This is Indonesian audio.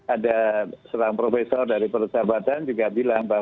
ada seorang profesor dari persahabatan juga bilang